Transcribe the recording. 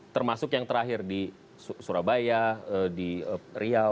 termasuk yang terakhir di surabaya di riau